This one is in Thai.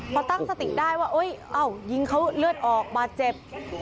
พอตั้งสติได้ว่ายิงเขาเลือดออกบาดเจ็บ